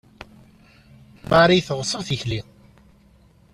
Marie teɣṣeb tikli.